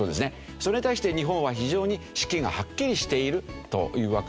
それに対して日本は非常に四季がはっきりしているというわけですよね。